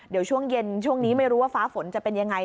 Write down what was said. เดี๋ยวช่วงเย็นช่วงนี้ไม่รู้ว่าฟ้าฝนจะเป็นยังไง